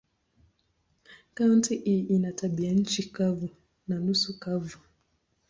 Kaunti hii ina tabianchi kavu na nusu kavu.